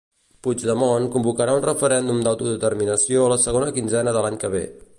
Puigdemont convocarà un referèndum d'autodeterminació la segona quinzena de l'any que ve.